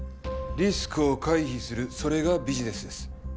リスクを回避するそれがビジネスです。